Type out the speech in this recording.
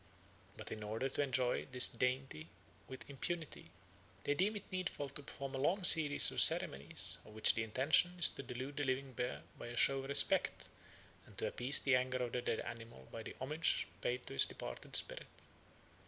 But in order to enjoy this dainty with impunity they deem it needful to perform a long series of ceremonies, of which the intention is to delude the living bear by a show of respect, and to appease the anger of the dead animal by the homage paid to his departed spirit.